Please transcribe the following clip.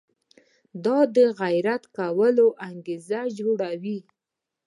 دا د غیرت کولو انګېزه جوړوي.